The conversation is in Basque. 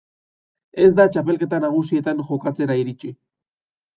Ez da txapelketa nagusietan jokatzera iritsi.